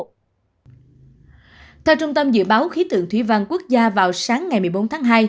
theo trung tâm dự báo khí tượng thủy văn quốc gia vào sáng ngày một mươi bốn tháng hai